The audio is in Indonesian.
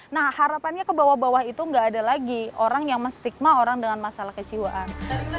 nah harapannya ke bawah bawah itu nggak ada lagi orang yang menstigma orang dengan masalah kejiwaan